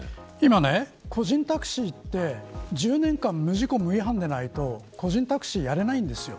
今、個人タクシーって１０年間、無事故無違反でないと個人タクシーやれないんですよ。